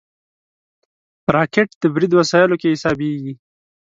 راکټ د برید وسایلو کې حسابېږي